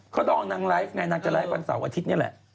เขาดองนางไลฟ์ไงนางจะไลฟ์วันเสาร์อาทิตย์นี่แหละ